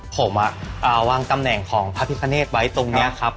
ผมวางตำแหน่งของพระพิคเนตไว้ตรงนี้ครับ